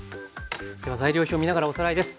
では材料表を見ながらおさらいです。